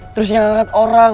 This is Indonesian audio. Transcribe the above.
terus yang angkat orang